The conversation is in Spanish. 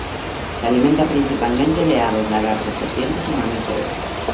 Se alimenta principalmente de aves, lagartos, serpientes y mamíferos.